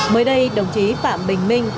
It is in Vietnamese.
mới đây đồng chí phạm bình minh